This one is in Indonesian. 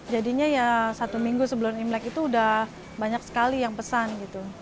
jadinya ya satu minggu sebelum imlek itu udah banyak sekali yang pesan gitu